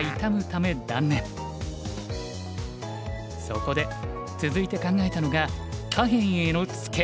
そこで続いて考えたのが下辺へのツケ。